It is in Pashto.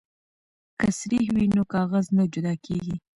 که سريښ وي نو کاغذ نه جدا کیږي.